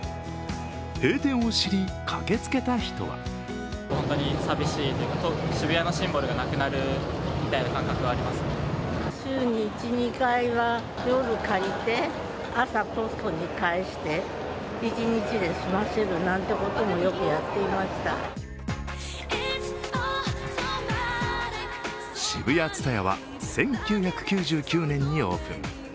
閉店を知り駆けつけた人はＳＨＩＢＵＹＡＴＳＵＴＡＹＡは１９９９年にオープン。